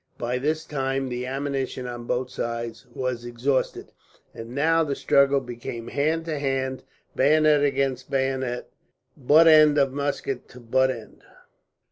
By this time the ammunition on both sides was exhausted, and now the struggle became hand to hand, bayonet against bayonet, butt end of musket to butt end.